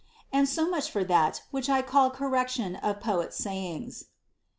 And so much for that which I call correction of poets' sayings.